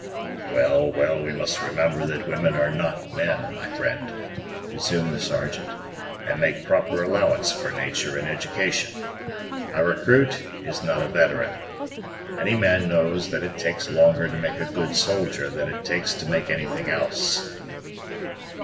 "Well, well, we must remember that women are not men, my friend," resumed the Sergeant, "and make proper allowances for nature and education. A recruit is not a veteran. Any man knows that it takes longer to make a good soldier than it takes to make anything else."